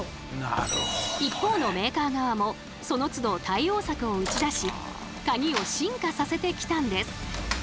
一方のメーカー側もそのつど対応策を打ち出しカギを進化させてきたんです。